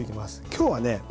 今日はね